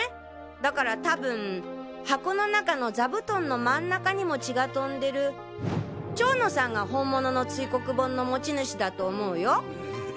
だから多分箱の中の座布団の真ん中にも血が飛んでる蝶野さんが本物の堆黒盆の持ち主だと思うよ！